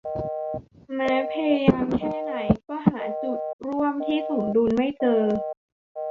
แม้พยายามแค่ไหนก็หาจุดร่วมที่สมดุลไม่เจอ